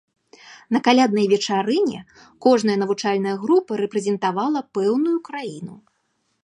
На каляднай вечарыне кожная навучальная група рэпрэзентавала пэўную краіну.